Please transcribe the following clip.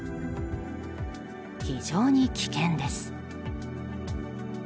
非常に危険です。